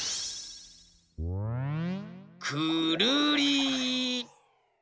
くるり！